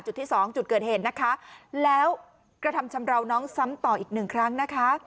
ที่สองจุดเกิดเหตุนะคะแล้วกระทำชำราวน้องซ้ำต่ออีกหนึ่งครั้งนะคะ